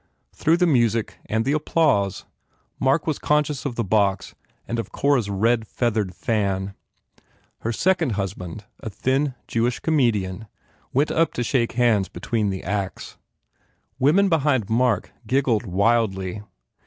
Through the music and the applause Mark was conscious of the box and of Cora s red feathered fan. Her second husband, a thin Jewish comedian, went up to shake hands in an entr acte. Women behind Mark giggled wildly.